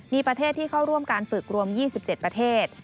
มีประเทศที่เข้าร่วมการฝึกรวม๒๗ประเทศ